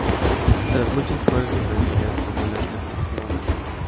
Tras mucho esfuerzo y penurias, tomó la alternativa mayor.